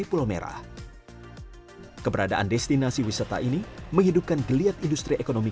ya kita cari cari pengalaman dari media sosial entah itu dari orang lain yang sudah berpengalaman